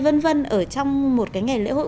vân vân ở trong một cái ngày lễ hội